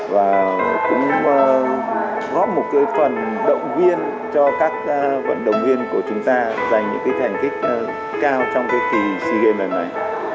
và cũng góp một cái phần động viên cho các vận động viên của chúng ta dành những cái thành kích cao trong cái kỳ sea games này